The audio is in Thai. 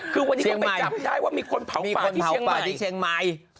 คือวันนี้ต้องไปกลับได้ว่ามีคนเผาป่าที่เชียงใหม่